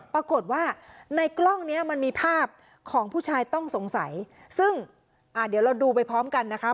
ปรากฏว่าในกล้องเนี้ยมันมีภาพของผู้ชายต้องสงสัยซึ่งอ่าเดี๋ยวเราดูไปพร้อมกันนะคะ